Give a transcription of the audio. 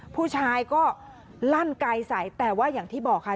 ผู้ชายก็ลั่นไกลใส่แต่ว่าอย่างที่บอกค่ะ